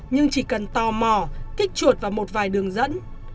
nhưng chỉ cần tò mò kích chuột vào một vài đường dẫn